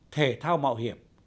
thể thao mạo hiểm